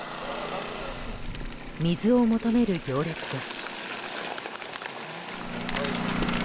水を求める行列です。